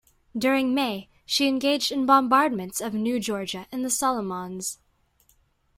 During May, she engaged in bombardments of New Georgia in the Solomons.